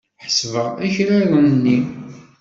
Ḥesbeɣ akraren-nni.